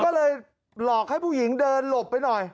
ก็เลยหลอกให้ผู้หญิงเดินหลบไปหน่อย